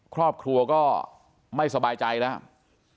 ครอบครัวก็ไม่สบายใจแล้ว